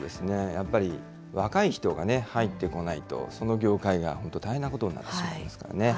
やっぱり若い人が入ってこないと、その業界が本当、大変なことになってしまいますからね。